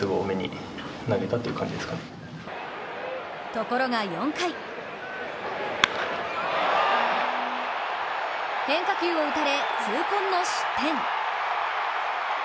ところが４回変化球を打たれ、痛恨の失点。